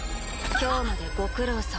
今日までご苦労さま。